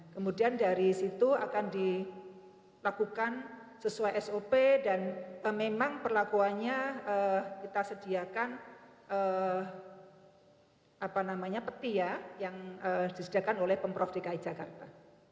kemudian dari situ akan dilakukan sesuai sop dan memang perlakuannya kita sediakan peti ya yang disediakan oleh pemprov dki jakarta